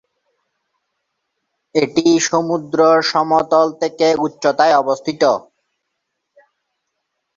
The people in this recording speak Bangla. এটি সমুদ্র সমতল থেকে উচ্চতায় অবস্থিত।